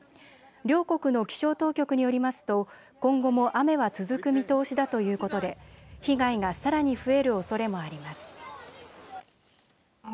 両国の気象当局によりますと今後も雨は続く見通しだということで被害がさらに増えるおそれもあります。